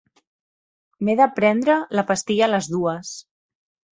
M'he de prendre la pastilla a les dues.